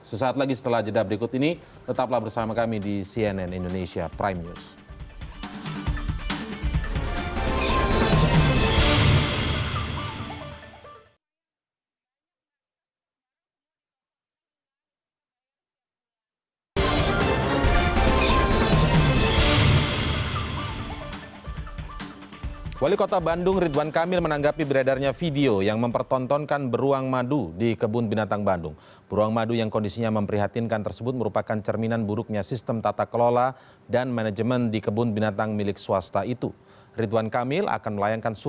sesaat lagi setelah jedab berikut ini tetaplah bersama kami di cnn indonesia prime news